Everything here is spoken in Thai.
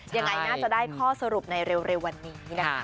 ยังไงน่าจะได้ข้อสรุปในเร็ววันนี้นะคะ